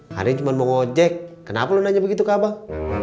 hari cuma mau ojek kenapa lu nanya begitu ke abang